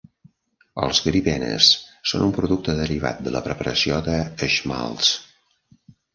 Els gribenes són un producte derivat de la preparació de schmaltz.